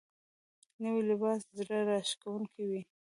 نوی لباس زړه راښکونکی وي